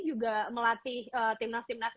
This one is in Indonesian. juga melatih timnas timnas